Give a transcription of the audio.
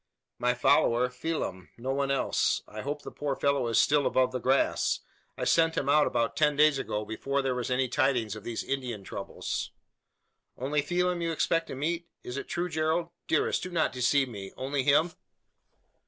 "My follower Phelim no one else. I hope the poor fellow is still above the grass. I sent him out about ten days ago before there was any tidings of these Indian troubles." "Only Phelim you expect to meet? Is it true, Gerald? Dearest! do not deceive me! Only him?"